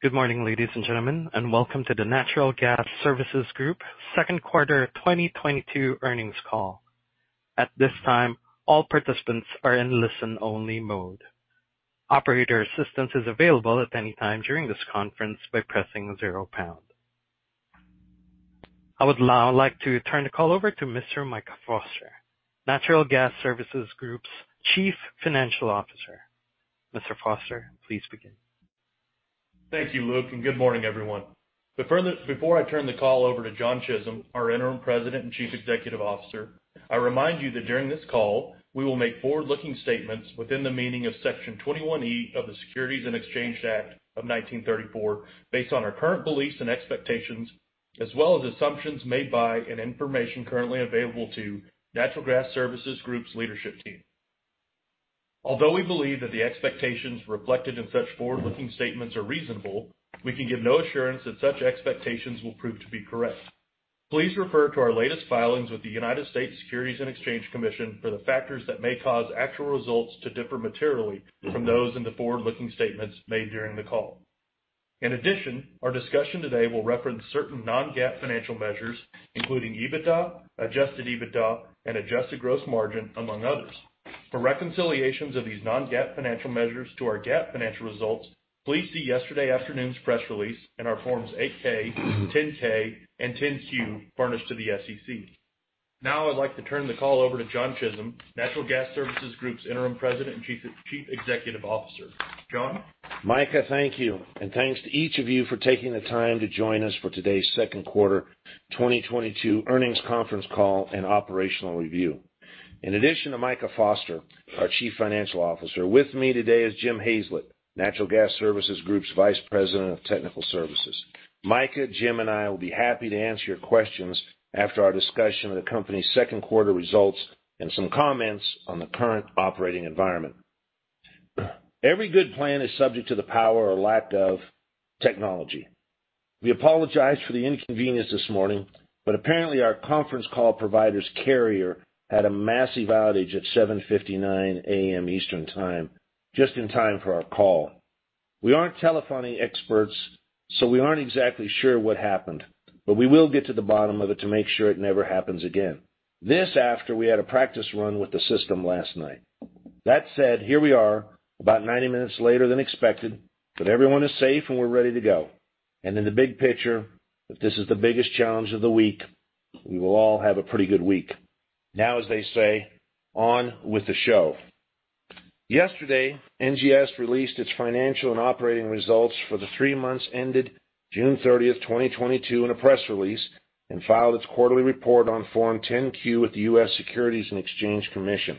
Good morning, ladies and gentlemen, and welcome to the Natural Gas Services Group Q2 2022 Earnings Call. At this time, all participants are in listen-only mode. Operator assistance is available at any time during this conference by pressing zero pound. I would now like to turn the call over to Mr. Micah Foster, Natural Gas Services Group's Chief Financial Officer. Mr. Foster, please begin. Thank you, Luke, and good morning, everyone. Before I turn the call over to John Chisholm, our interim president and chief executive officer, I remind you that during this call, we will make forward-looking statements within the meaning of Section 21E of the Securities Exchange Act of 1934, based on our current beliefs and expectations as well as assumptions made by and information currently available to Natural Gas Services Group's leadership team. Although we believe that the expectations reflected in such forward-looking statements are reasonable, we can give no assurance that such expectations will prove to be correct. Please refer to our latest filings with the United States Securities and Exchange Commission for the factors that may cause actual results to differ materially from those in the forward-looking statements made during the call. In addition, our discussion today will reference certain non-GAAP financial measures, including EBITDA, adjusted EBITDA, and adjusted gross margin, among others. For reconciliations of these non-GAAP financial measures to our GAAP financial results, please see yesterday afternoon's press release and our Forms 8-K, 10-K, and 10-Q furnished to the SEC. Now I'd like to turn the call over to John Chisholm, Natural Gas Services Group's Interim President and Chief Executive Officer. John? Micah, thank you, and thanks to each of you for taking the time to join us for today's Q2 2022 Earnings Conference Call and perational review. In addition to Micah Foster, our Chief Financial Officer, with me today is Jim Hazlett, Natural Gas Services Group's Vice President of Technical Services. Micah, Jim, and I will be happy to answer your questions after our discussion of the company's Q2 results and some comments on the current operating environment. Every good plan is subject to the power or lack of technology. We apologize for the inconvenience this morning, but apparently our conference call provider's carrier had a massive outage at 7:59 A.M. Eastern Time, just in time for our call. We aren't telephony experts, so we aren't exactly sure what happened, but we will get to the bottom of it to make sure it never happens again. This after we had a practice run with the system last night. That said, here we are, about 90 minutes later than expected, but everyone is safe, and we're ready to go. In the big picture, if this is the biggest challenge of the week, we will all have a pretty good week. Now, as they say, on with the show. Yesterday, NGS released its financial and operating results for the three months ended June 30, 2022 in a press release and filed its quarterly report on Form 10-Q with the U.S. Securities and Exchange Commission.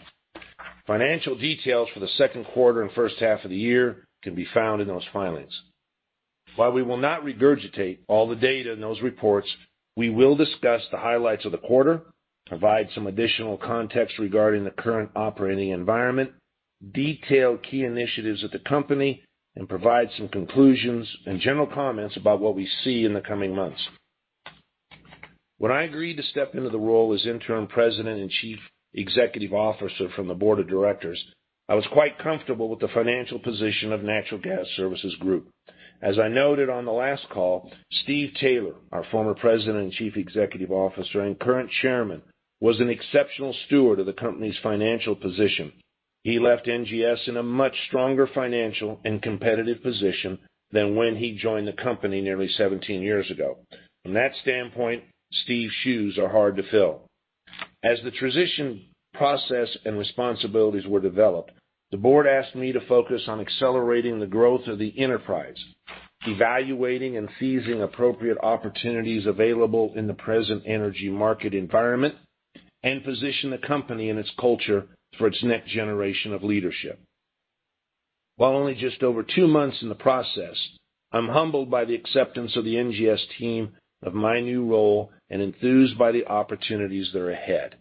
Financial details for the Q2 and first half of the year can be found in those filings. While we will not regurgitate all the data in those reports, we will discuss the highlights of the quarter, provide some additional context regarding the current operating environment, detail key initiatives of the company, and provide some conclusions and general comments about what we see in the coming months. When I agreed to step into the role as Interim President and Chief Executive Officer from the board of directors, I was quite comfortable with the financial position of Natural Gas Services Group. As I noted on the last call, Steve Taylor, our former President and Chief Executive Officer and current Chairman, was an exceptional steward of the company's financial position. He left NGS in a much stronger financial and competitive position than when he joined the company nearly 17 years ago. From that standpoint, Steve's shoes are hard to fill. As the transition process and responsibilities were developed, the board asked me to focus on accelerating the growth of the enterprise, evaluating and seizing appropriate opportunities available in the present energy market environment, and position the company and its culture for its next generation of leadership. While only just over two months in the process, I'm humbled by the acceptance of the NGS team of my new role and enthused by the opportunities that are ahead.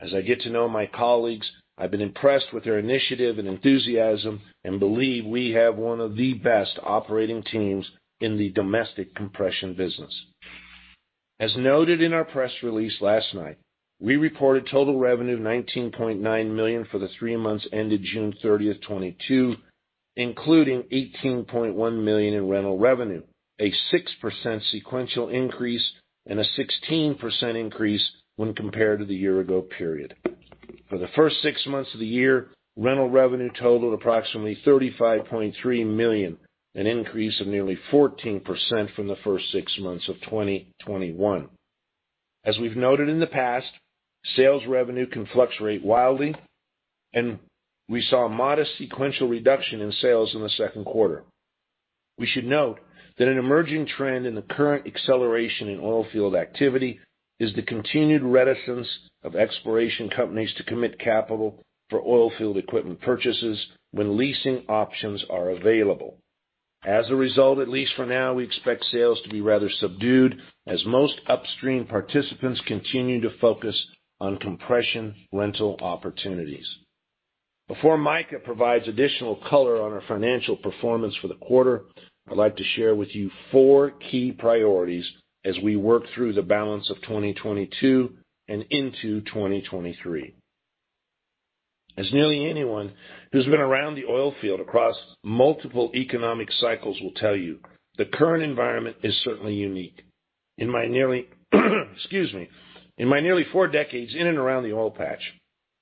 As I get to know my colleagues, I've been impressed with their initiative and enthusiasm and believe we have one of the best operating teams in the domestic compression business. As noted in our press release last night, we reported total revenue of $19.9 million for the three months ended June 30, 2022, including $18.1 million in rental revenue, a 6% sequential increase and a 16% increase when compared to the year ago period. For the first six months of the year, rental revenue totaled approximately $35.3 million, an increase of nearly 14% from the first six months of 2021. As we've noted in the past, sales revenue can fluctuate wildly, and we saw a modest sequential reduction in sales in the Q2. We should note that an emerging trend in the current acceleration in oilfield activity is the continued reticence of exploration companies to commit capital for oilfield equipment purchases when leasing options are available. As a result, at least for now, we expect sales to be rather subdued as most upstream participants continue to focus on compression rental opportunities. Before Micah provides additional color on our financial performance for the quarter, I'd like to share with you four key priorities as we work through the balance of 2022 and into 2023. As nearly anyone who's been around the oil field across multiple economic cycles will tell you, the current environment is certainly unique. In my nearly four decades in and around the oil patch,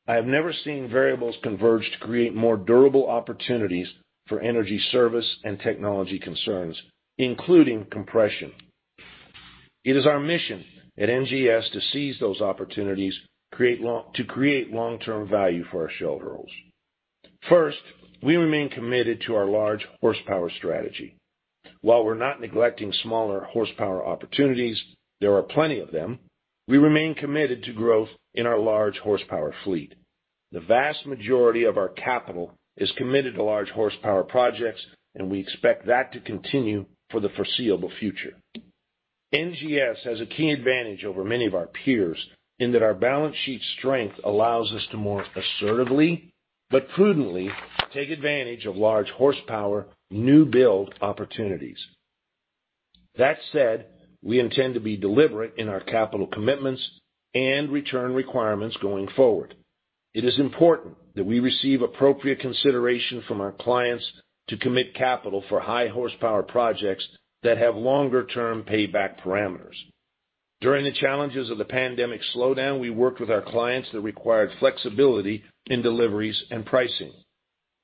I have never seen variables converge to create more durable opportunities for energy service and technology concerns, including compression. It is our mission at NGS to seize those opportunities, create long-term value for our shareholders. First, we remain committed to our large horsepower strategy. While we're not neglecting smaller horsepower opportunities, there are plenty of them. We remain committed to growth in our large horsepower fleet. The vast majority of our capital is committed to large horsepower projects, and we expect that to continue for the foreseeable future. NGS has a key advantage over many of our peers in that our balance sheet strength allows us to more assertively but prudently take advantage of large horsepower, new build opportunities. That said, we intend to be deliberate in our capital commitments and return requirements going forward. It is important that we receive appropriate consideration from our clients to commit capital for high horsepower projects that have longer-term payback parameters. During the challenges of the pandemic slowdown, we worked with our clients that required flexibility in deliveries and pricing.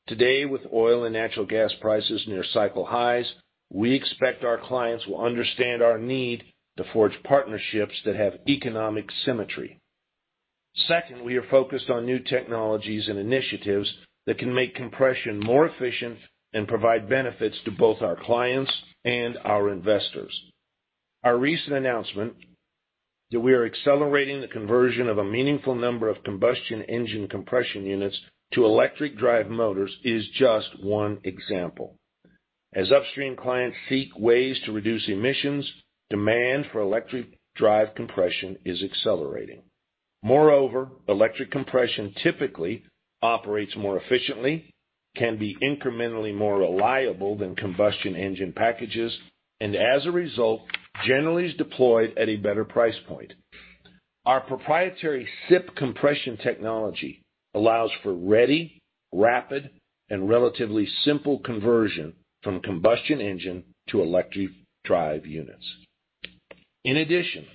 Today, with oil and natural gas prices near cycle highs, we expect our clients will understand our need to forge partnerships that have economic symmetry. Second, we are focused on new technologies and initiatives that can make compression more efficient and provide benefits to both our clients and our investors. Our recent announcement that we are accelerating the conversion of a meaningful number of combustion engine compression units to electric drive motors is just one example. As upstream clients seek ways to reduce emissions, demand for electric drive compression is accelerating. Moreover, electric compression typically operates more efficiently, can be incrementally more reliable than combustion engine packages, and as a result, generally is deployed at a better price point. Our proprietary CiP compression technology allows for ready, rapid, and relatively simple conversion from combustion engine to electric drive units. In addition,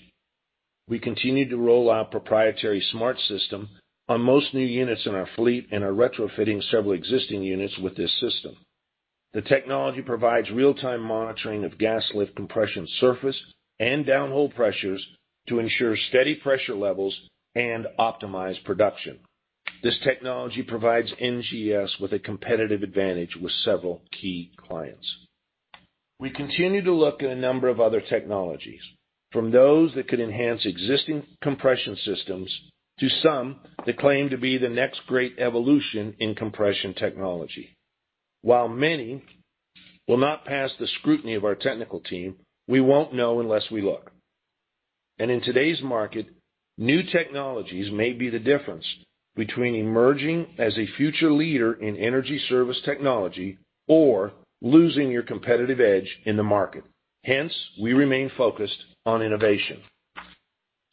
we continue to roll out proprietary SMART System on most new units in our fleet and are retrofitting several existing units with this system. The technology provides real-time monitoring of gas lift compression surface and downhole pressures to ensure steady pressure levels and optimize production. This technology provides NGS with a competitive advantage with several key clients. We continue to look at a number of other technologies, from those that could enhance existing compression systems to some that claim to be the next great evolution in compression technology. While many will not pass the scrutiny of our technical team, we won't know unless we look. In today's market, new technologies may be the difference between emerging as a future leader in energy service technology or losing your competitive edge in the market. Hence, we remain focused on innovation.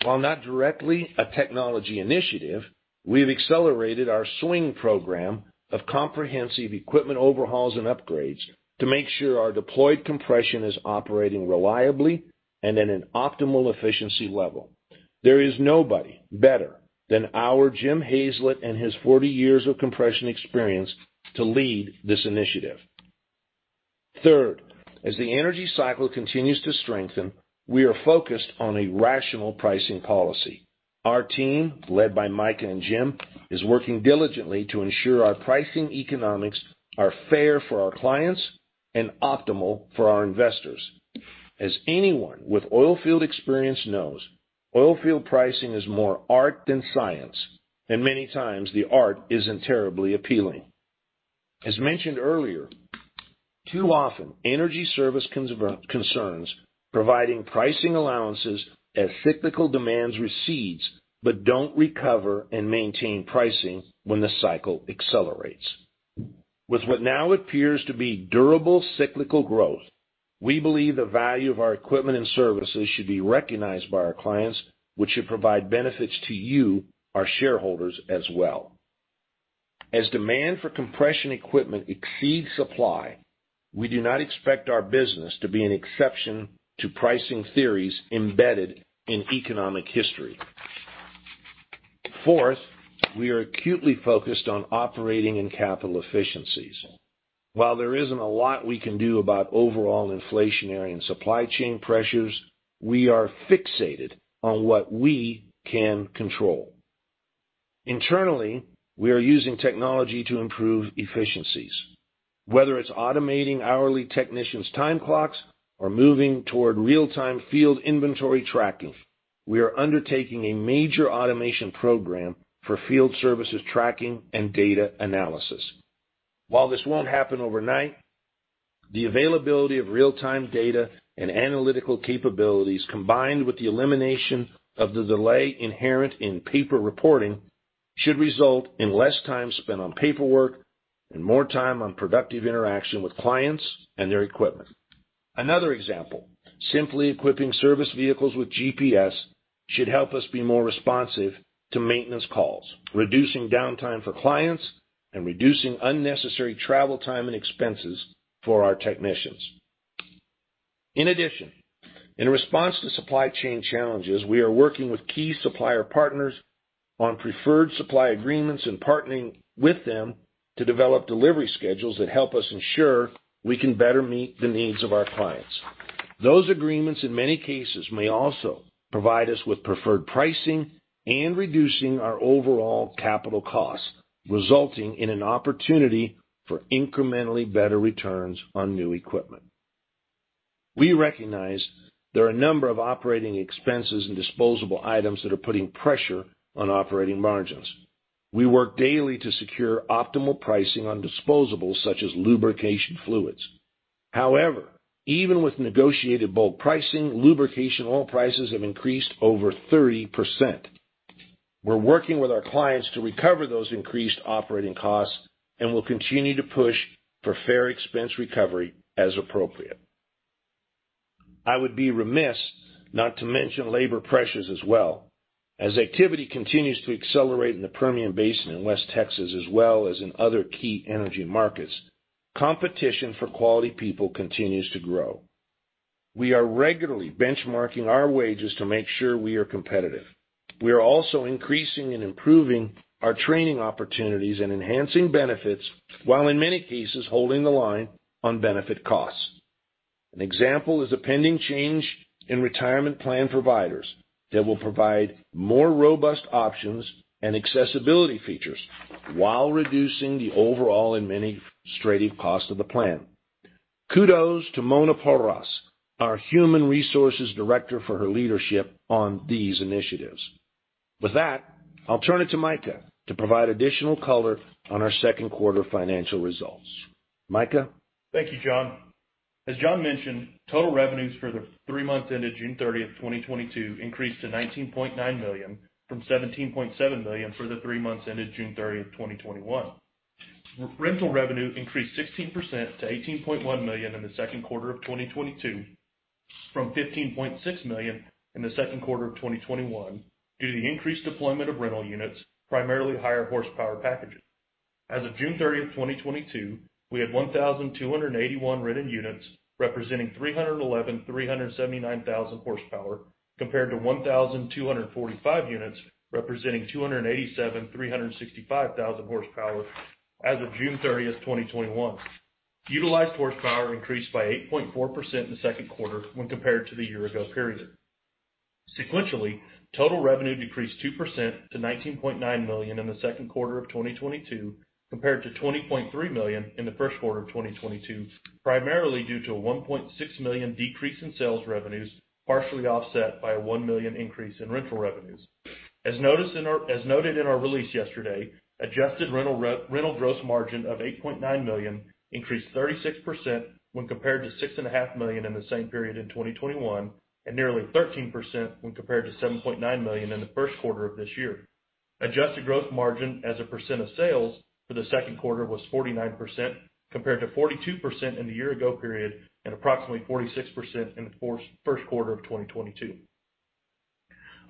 While not directly a technology initiative, we've accelerated our swing program of comprehensive equipment overhauls and upgrades to make sure our deployed compression is operating reliably and at an optimal efficiency level. There is nobody better than our Jim Hazlett and his 40 years of compression experience to lead this initiative. Third, as the energy cycle continues to strengthen, we are focused on a rational pricing policy. Our team, led by Micah and Jim, is working diligently to ensure our pricing economics are fair for our clients and optimal for our investors. As anyone with oil field experience knows, oil field pricing is more art than science, and many times the art isn't terribly appealing. As mentioned earlier, too often, energy service concerns providing pricing allowances as cyclical demands recedes but don't recover and maintain pricing when the cycle accelerates. With what now appears to be durable cyclical growth, we believe the value of our equipment and services should be recognized by our clients, which should provide benefits to you, our shareholders, as well. As demand for compression equipment exceeds supply, we do not expect our business to be an exception to pricing theories embedded in economic history. Fourth, we are acutely focused on operating and capital efficiencies. While there isn't a lot we can do about overall inflationary and supply chain pressures, we are fixated on what we can control. Internally, we are using technology to improve efficiencies. Whether it's automating hourly technicians' time clocks or moving toward real-time field inventory tracking, we are undertaking a major automation program for field services tracking and data analysis. While this won't happen overnight, the availability of real-time data and analytical capabilities combined with the elimination of the delay inherent in paper reporting should result in less time spent on paperwork and more time on productive interaction with clients and their equipment. Another example, simply equipping service vehicles with GPS should help us be more responsive to maintenance calls, reducing downtime for clients and reducing unnecessary travel time and expenses for our technicians. In addition, in response to supply chain challenges, we are working with key supplier partners on preferred supply agreements and partnering with them to develop delivery schedules that help us ensure we can better meet the needs of our clients. Those agreements, in many cases, may also provide us with preferred pricing and reducing our overall capital costs, resulting in an opportunity for incrementally better returns on new equipment. We recognize there are a number of operating expenses and disposable items that are putting pressure on operating margins. We work daily to secure optimal pricing on disposables such as lubrication fluids. However, even with negotiated bulk pricing, lubrication oil prices have increased over 30%. We're working with our clients to recover those increased operating costs, and we'll continue to push for fair expense recovery as appropriate. I would be remiss not to mention labor pressures as well. As activity continues to accelerate in the Permian Basin in West Texas, as well as in other key energy markets, competition for quality people continues to grow. We are regularly benchmarking our wages to make sure we are competitive. We are also increasing and improving our training opportunities and enhancing benefits, while in many cases, holding the line on benefit costs. An example is a pending change in retirement plan providers that will provide more robust options and accessibility features while reducing the overall administrative cost of the plan. Kudos to Mona Porras, our Human Resources Director, for her leadership on these initiatives. With that, I'll turn it to Micah to provide additional color on our Q2 financial results. Micah? Thank you, John. As John mentioned, total revenues for the three months ended June 30th 2022 increased to $19.9 million from $17.7 million for the three months ended June 30th, 2021. Rental revenue increased 16% to $18.1 million in the Q2 of 2022 from $15.6 million in the Q2 of 2021 due to the increased deployment of rental units, primarily higher horsepower packages. As of June 30th, 2022, we had 1,281 rented units, representing 311,379 horsepower, compared to 1,245 units representing 287,365 horsepower as of June 30th, 2021. Utilized horsepower increased by 8.4% in the Q2 when compared to the year ago period. Sequentially, total revenue decreased 2% to $19.9 million in the Q2 of 2022, compared to $20.3 million in the Q1 of 2022, primarily due to a $1.6 million decrease in sales revenues, partially offset by a $1 million increase in rental revenues. As noted in our release yesterday, adjusted rental gross margin of $8.9 million increased 36% when compared to $6.5 million in the same period in 2021, and nearly 13% when compared to $7.9 million in the Q1 of this year. Adjusted gross margin as a percent of sales for the Q2 was 49%, compared to 42% in the year ago period and approximately 46% in the Q1 of 2022.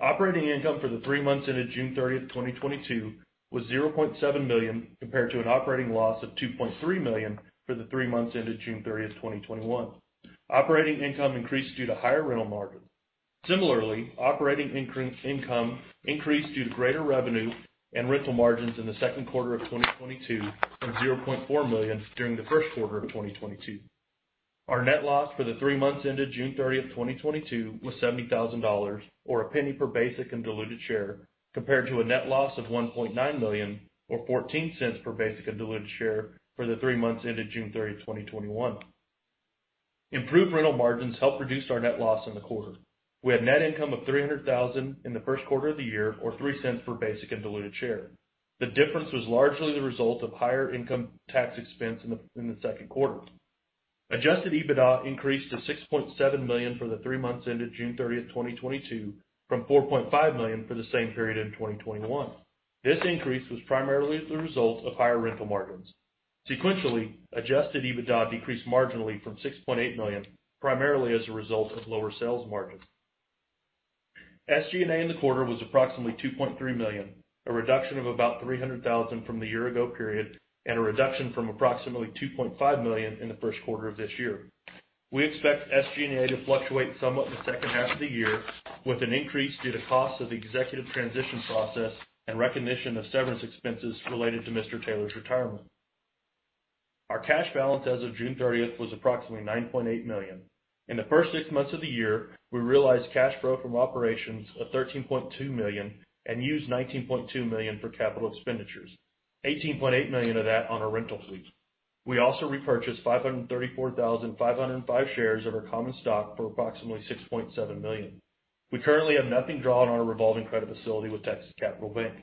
Operating income for the three months ended June 30th, 2022 was $0.7 million, compared to an operating loss of $2.3 million for the three months ended June 30th, 2021. Operating income increased due to higher rental margins. Similarly, operating income increased due to greater revenue and rental margins in the Q2 of 2022 and $0.4 million during the Q1 of 2022. Our net loss for the three months ended June 30th, 2022 was $70 thousand, or $0.01 per basic and diluted share, compared to a net loss of $1.9 million or $0.14 per basic and diluted share for the three months ended June 30th, 2021. Improved rental margins helped reduce our net loss in the quarter. We had net income of $300,000 in the Q1 of the year, or $0.03 per basic and diluted share. The difference was largely the result of higher income tax expense in the Q2. Adjusted EBITDA increased to $6.7 million for the three months ended June 30, 2022, from $4.5 million for the same period in 2021. This increase was primarily as a result of higher rental margins. Sequentially, adjusted EBITDA decreased marginally from $6.8 million, primarily as a result of lower sales margins. SG&A in the quarter was approximately $2.3 million, a reduction of about $300,000 from the year ago period and a reduction from approximately $2.5 million in the Q1 of this year. We expect SG&A to fluctuate somewhat in the second half of the year, with an increase due to cost of the executive transition process and recognition of severance expenses related to Mr. Taylor's retirement. Our cash balance as of June 30th was approximately $9.8 million. In the first six months of the year, we realized cash flow from operations of $13.2 million and used $19.2 million for capital expenditures, $18.8 million of that on our rental fleet. We also repurchased 534,505 shares of our common stock for approximately $6.7 million. We currently have nothing drawn on our revolving credit facility with Texas Capital Bank.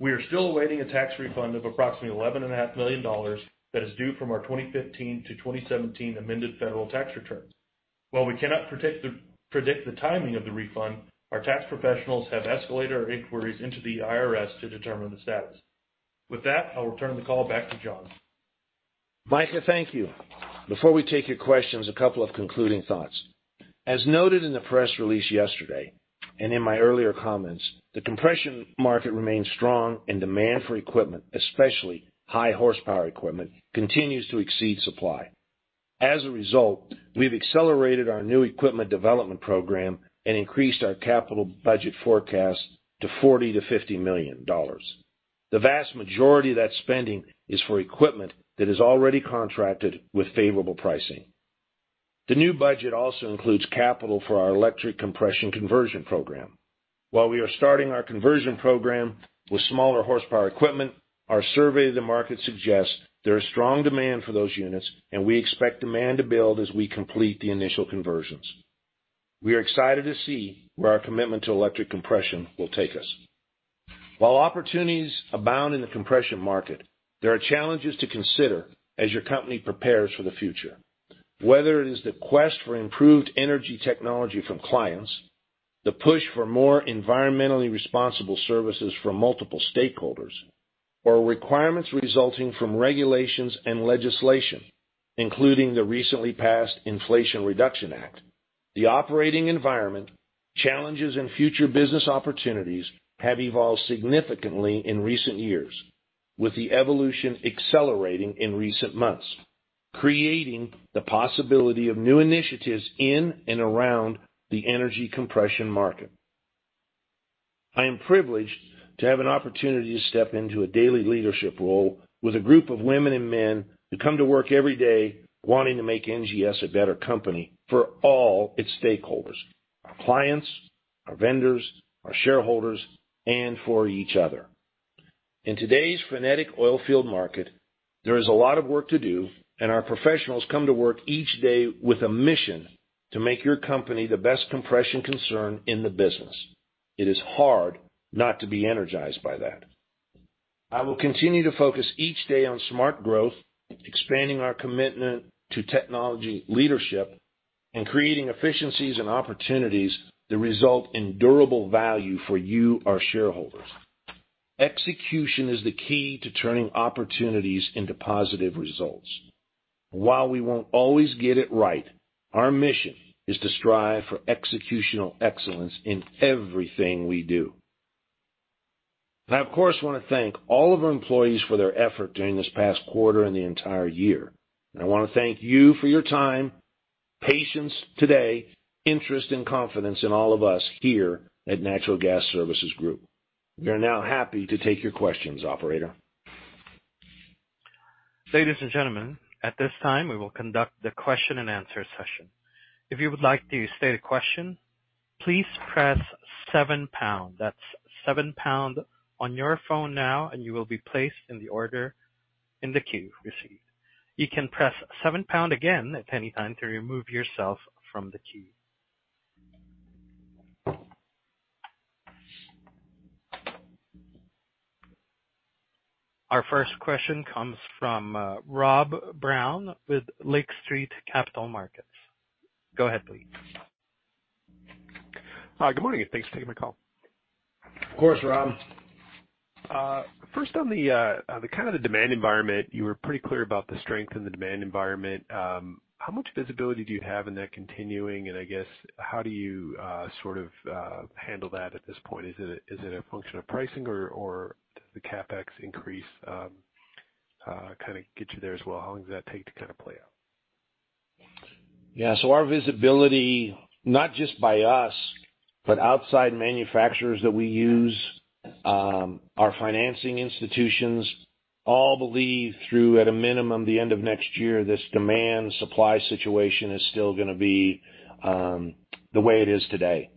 We are still awaiting a tax refund of approximately $11 and a half million that is due from our 2015 to 2017 amended federal tax returns. While we cannot predict the timing of the refund, our tax professionals have escalated our inquiries into the IRS to determine the status. With that, I'll return the call back to John. Micah, thank you. Before we take your questions, a couple of concluding thoughts. As noted in the press release yesterday and in my earlier comments, the compression market remains strong and demand for equipment, especially high horsepower equipment, continues to exceed supply. As a result, we've accelerated our new equipment development program and increased our capital budget forecast to $40 million-$50 million. The vast majority of that spending is for equipment that is already contracted with favorable pricing. The new budget also includes capital for our electric compression conversion program. While we are starting our conversion program with smaller horsepower equipment, our survey of the market suggests there is strong demand for those units, and we expect demand to build as we complete the initial conversions. We are excited to see where our commitment to electric compression will take us. While opportunities abound in the compression market, there are challenges to consider as your company prepares for the future. Whether it is the quest for improved energy technology from clients, the push for more environmentally responsible services from multiple stakeholders, or requirements resulting from regulations and legislation, including the recently passed Inflation Reduction Act, the operating environment, challenges and future business opportunities have evolved significantly in recent years, with the evolution accelerating in recent months, creating the possibility of new initiatives in and around the energy compression market. I am privileged to have an opportunity to step into a daily leadership role with a group of women and men who come to work every day wanting to make NGS a better company for all its stakeholders, our clients, our vendors, our shareholders, and for each other. In today's frenetic oil field market, there is a lot of work to do, and our professionals come to work each day with a mission to make your company the best compression concern in the business. It is hard not to be energized by that. I will continue to focus each day on smart growth, expanding our commitment to technology leadership, and creating efficiencies and opportunities that result in durable value for you, our shareholders. Execution is the key to turning opportunities into positive results. While we won't always get it right, our mission is to strive for executional excellence in everything we do. I, of course, want to thank all of our employees for their effort during this past quarter and the entire year. I want to thank you for your time, patience today, interest, and confidence in all of us here at Natural Gas Services Group. We are now happy to take your questions, operator. Ladies and gentlemen, at this time, we will conduct the question-and-answer session. If you would like to state a question, please press seven pound. That's seven pound on your phone now and you will be placed in the order in the queue received. You can press seven pound again at any time to remove yourself from the queue. Our first question comes from Rob Brown with Lake Street Capital Markets. Go ahead, please. Good morning, and thanks for taking my call. Of course, Rob. First on the kind of the demand environment, you were pretty clear about the strength in the demand environment. How much visibility do you have in that continuing? I guess how do you sort of handle that at this point? Is it a function of pricing or does the CapEx increase kind of get you there as well? How long does that take to kind of play out? Yeah. Our visibility, not just by us, but outside manufacturers that we use, our financing institutions all believe through, at a minimum, the end of next year, this demand supply situation is still going to be the way it is today.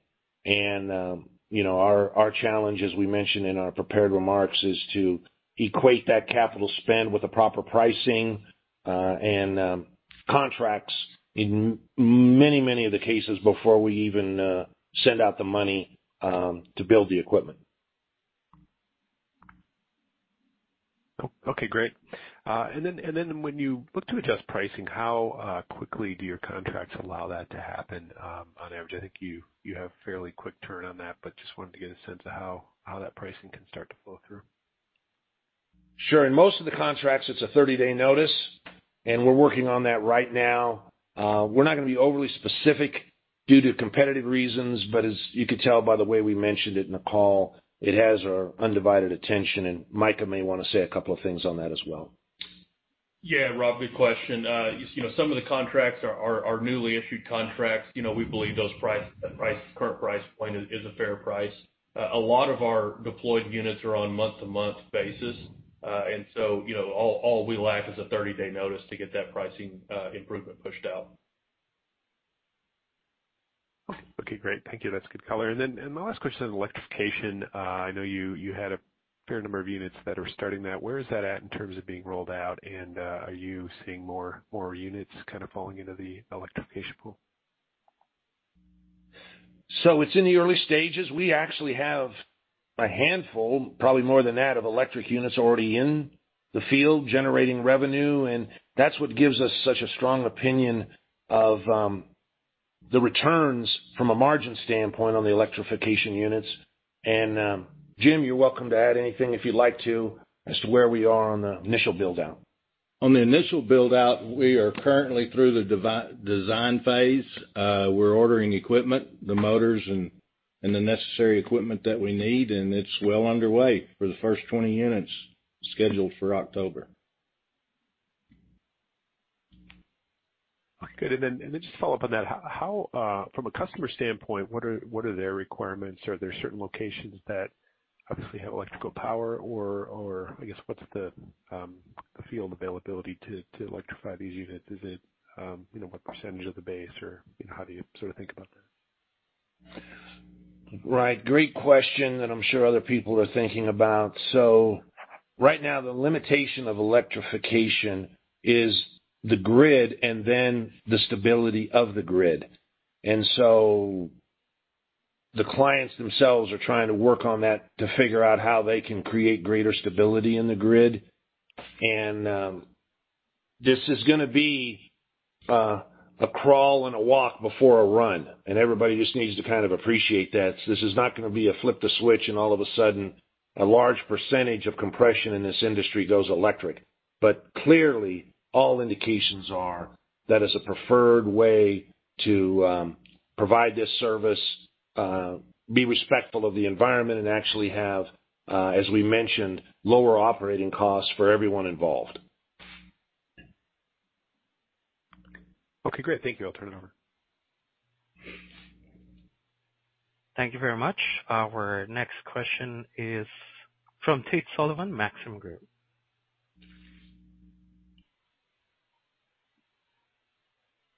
You know, our challenge, as we mentioned in our prepared remarks, is to equate that capital spend with the proper pricing, and contracts in many of the cases before we even send out the money to build the equipment. Okay, great. When you look to adjust pricing, how quickly do your contracts allow that to happen, on average? I think you have fairly quick turn on that, but just wanted to get a sense of how that pricing can start to flow through. Sure. In most of the contracts, it's a 30-day notice, and we're working on that right now. We're not going to be overly specific due to competitive reasons. But as you could tell by the way we mentioned it in the call, it has our undivided attention. Micah may want to say a couple of things on that as well. Yeah, Rob, good question. You know, some of the contracts are newly issued contracts. You know, we believe those prices, current price point is a fair price. A lot of our deployed units are on month-to-month basis. You know, all we lack is a 30-day notice to get that pricing improvement pushed out. Okay, great. Thank you. That's good color. My last question on electrification. I know you had a fair number of units that are starting that. Where is that at in terms of being rolled out? Are you seeing more units kind of falling into the electrification pool? It's in the early stages. We actually have a handful, probably more than that, of electric units already in the field generating revenue. That's what gives us such a strong opinion of the returns from a margin standpoint on the electrification units. Jim, you're welcome to add anything if you'd like to, as to where we are on the initial build-out. On the initial build-out, we are currently through the design phase. We're ordering equipment, the motors and the necessary equipment that we need, and it's well underway for the first 20 units scheduled for October. Okay. Just to follow up on that, from a customer standpoint, what are their requirements? Are there certain locations that obviously have electrical power or I guess what's the field availability to electrify these units? Is it you know, what percentage of the base or you know, how do you sort of think about that? Right. Great question that I'm sure other people are thinking about. Right now, the limitation of electrification is the grid and then the stability of the grid. The clients themselves are trying to work on that to figure out how they can create greater stability in the grid. This is going to be a crawl and a walk before a run, and everybody just needs to kind of appreciate that. This is not going to be a flip the switch and all of a sudden a large percentage of compression in this industry goes electric. Clearly, all indications are that is a preferred way to provide this service, be respectful of the environment and actually have, as we mentioned, lower operating costs for everyone involved. Okay, great. Thank you. I'll turn it over. Thank you very much. Our next question is from Tate Sullivan, Maxim Group.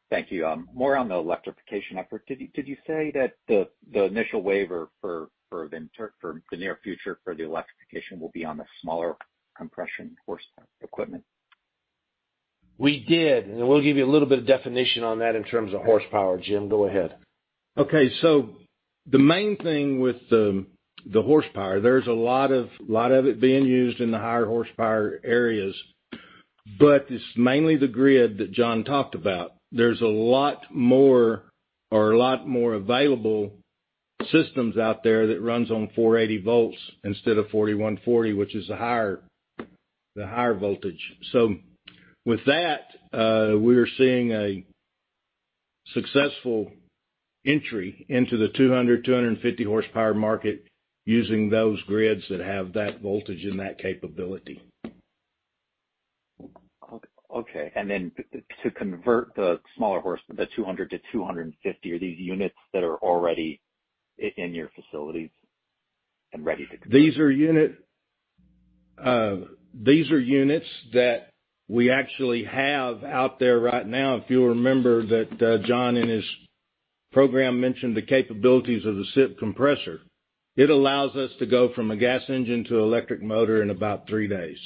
Thank you. More on the electrification effort. Did you say that the initial waiver for the near future for the electrification will be on the smaller compression horsepower equipment? We did. We'll give you a little bit of definition on that in terms of horsepower. Jim, go ahead. Okay. The main thing with the horsepower, there's a lot of it being used in the higher horsepower areas, but it's mainly the grid that John talked about. There's a lot more available systems out there that runs on 480 volts instead of 4140, which is the higher voltage. With that, we're seeing a successful entry into the 200-250 horsepower market using those grids that have that voltage and that capability. Okay. To convert the smaller horsepower, the 200-250, are these units that are already in your facilities and ready to convert? These are units that we actually have out there right now. If you'll remember that, John in his program mentioned the capabilities of the CiP compressor. It allows us to go from a gas engine to electric motor in about three days,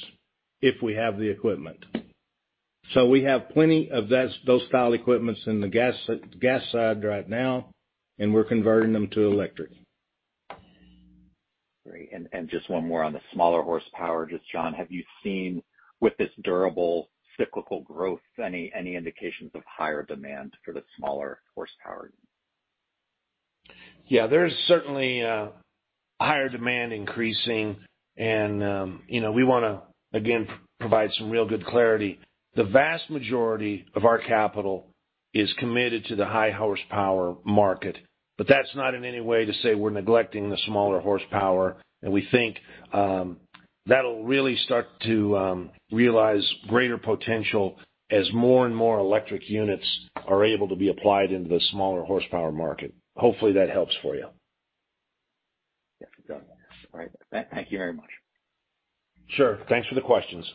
if we have the equipment. We have plenty of those style equipments in the gas side right now, and we're converting them to electric. Great. Just one more on the smaller horsepower. Just John, have you seen with this durable cyclical growth, any indications of higher demand for the smaller horsepower? Yeah, there is certainly higher demand increasing and, you know, we want to again provide some real good clarity. The vast majority of our capital is committed to the high horsepower market, but that's not in any way to say we're neglecting the smaller horsepower. We think that'll really start to realize greater potential as more and more electric units are able to be applied into the smaller horsepower market. Hopefully, that helps for you. Yes, it does. All right. Thank you very much. Sure. Thanks for the questions.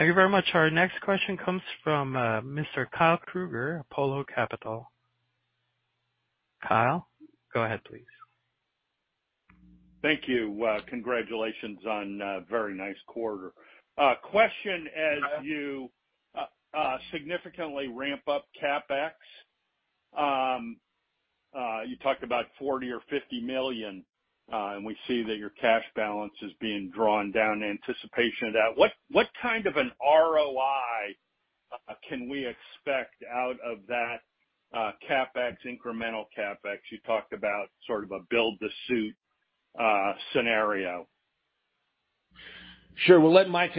Thank you very much. Our next question comes from, Mr. Kyle Krueger, Apollo Capital. Kyle, go ahead, please. Thank you. Congratulations on a very nice quarter. Question as you significantly ramp up CapEx. You talked about $40-$50 million, and we see that your cash balance is being drawn down in anticipation of that. What kind of an ROI can we expect out of that, CapEx, incremental CapEx? You talked about sort of a build-to-suit scenario. Sure. We'll let Mike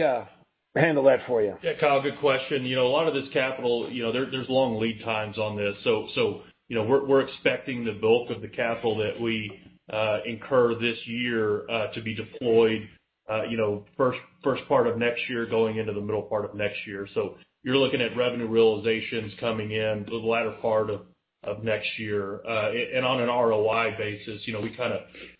handle that for you. Yeah. Kyle, good question. You know, a lot of this capital, you know, there's long lead times on this. We're expecting the bulk of the capital that we incur this year to be deployed, you know, first part of next year, going into the middle part of next year. You're looking at revenue realizations coming in the latter part of next year. On an ROI basis, you know,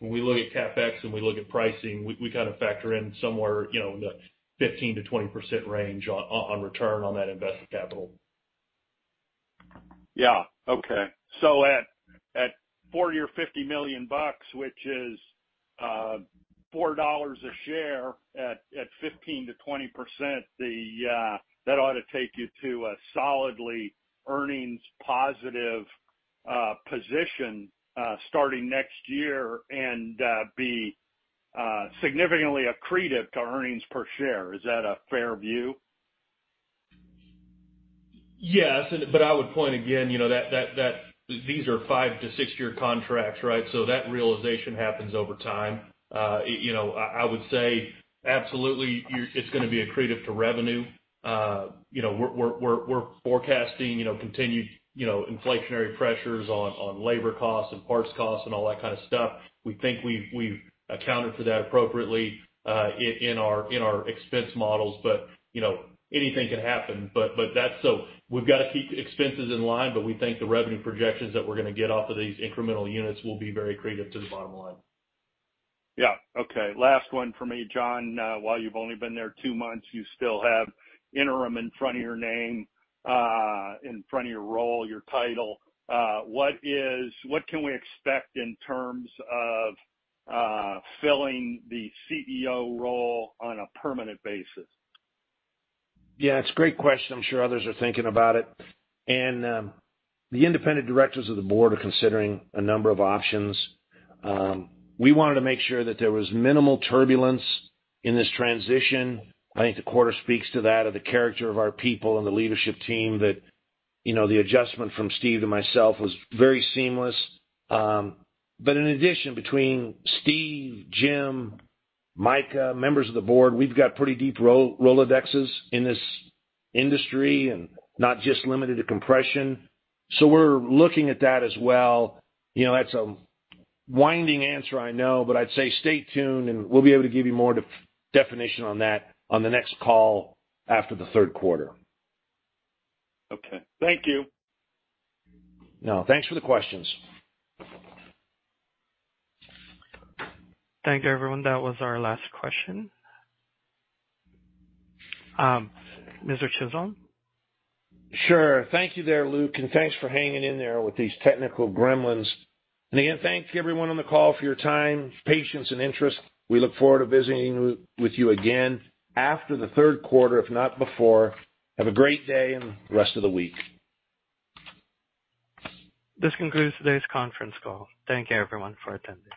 when we look at CapEx and we look at pricing, we kind of factor in somewhere, you know, in the 15%-20% range on return on that invested capital. Yeah. Okay. At $40 million or $50 million, which is $4 a share at 15%-20%, that ought to take you to a solidly earnings positive position, starting next year and be significantly accretive to earnings per share. Is that a fair view? Yes. I would point again, you know, that these are 5-6 year contracts, right? That realization happens over time. You know, I would say absolutely it's going to be accretive to revenue. You know, we're forecasting, you know, continued, you know, inflationary pressures on labor costs and parts costs and all that kind of stuff. We think we've accounted for that appropriately in our expense models. You know, anything can happen. We've got to keep expenses in line, but we think the revenue projections that we're going to get off of these incremental units will be very accretive to the bottom line. Yeah. Okay. Last one for me, John. While you've only been there two months, you still have interim in front of your name, in front of your role, your title. What can we expect in terms of filling the CEO role on a permanent basis? Yeah, it's a great question. I'm sure others are thinking about it. The independent directors of the board are considering a number of options. We wanted to make sure that there was minimal turbulence in this transition. I think the quarter speaks to that of the character of our people and the leadership team, you know, the adjustment from Steve and myself was very seamless. But in addition, between Steve, Jim, Micah, members of the board, we've got pretty deep rolodexes in this industry and not just limited to compression. We're looking at that as well. You know, that's a winding answer, I know, but I'd say stay tuned, and we'll be able to give you more definition on that on the next call after the Q3. Okay. Thank you. No, thanks for the questions. Thank you, everyone. That was our last question. Mr. Chisholm? Sure. Thank you there, Luke, and thanks for hanging in there with these technical gremlins. Again, thank you everyone on the call for your time, patience, and interest. We look forward to visiting with you again after the Q3, if not before. Have a great day and rest of the week. This concludes today's conference call. Thank you everyone for attending.